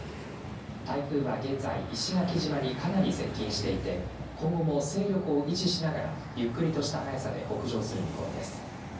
台風は現在、石垣島にかなり接近していて今後も勢力を維持しながらゆっくりとした速さで北上する見込みです。